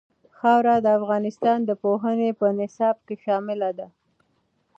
خاوره د افغانستان د پوهنې په نصاب کې شامل دي.